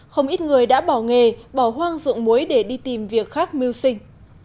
không ít người đã bỏ nghề bỏ hoang dụng muối để đi tìm việc khác mưu sinh